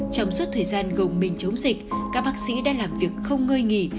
trong suốt thời gian gồng mình chống dịch các bác sĩ đã làm việc không ngơi nghỉ